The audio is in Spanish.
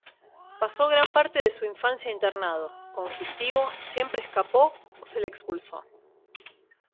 Pasó gran parte de su infancia internado; conflictivo, siempre escapó o se le expulsó.